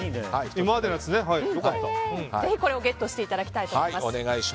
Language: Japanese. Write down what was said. ぜひこれもゲットしていただきたいと思います。